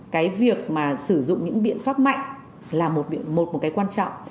cái việc mà sử dụng những biện pháp mạnh là một một cái quan trọng